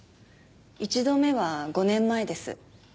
１度目は５年前です。